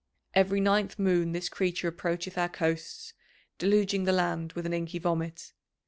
Every ninth moon this creature approacheth our coasts, deluging the land with an inky vomit.